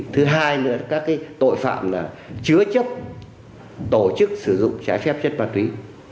thứ hai nữa là các cái tội phạm là chứa chấp tổ chức sử dụng trái phép trên ma túy